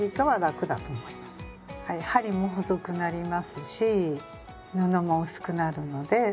はい針も細くなりますし布も薄くなるので。